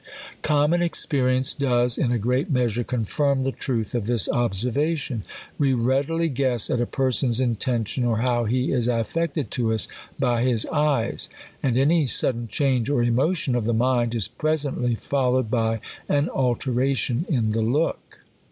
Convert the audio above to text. Common experience does in a great measure confirm • the truth of. this observation. We readily guess at a person's intention, or how he is aifected to us by his eyes. And any sudden change or emotion of the mind is presently followed by an alteration in the look.